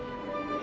あ！